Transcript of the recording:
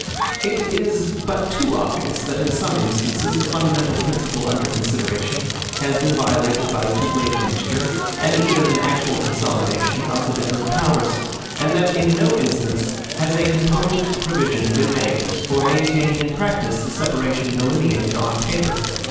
It is but too obvious that in some instances the fundamental principle under consideration has been violated by too great a mixture, and even an actual consolidation, of the different powers; and that in no instance has a competent provision been made for maintaining in practice the separation delineated on paper.